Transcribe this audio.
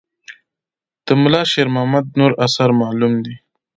د ملا شیر محمد نور آثار معلوم دي.